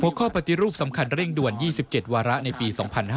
ข้อปฏิรูปสำคัญเร่งด่วน๒๗วาระในปี๒๕๕๙